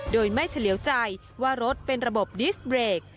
โดยไม่เฉลี่ยวใจว่ารถเป็นระบบดิสเบรก